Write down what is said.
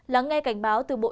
lắng nghe cảnh báo từ bộ y tế